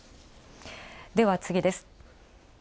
では次です。